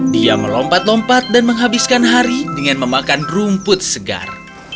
dia melompat lompat dan menghabiskan hari dengan memakan rumput segar